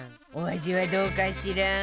お味はどうかしら？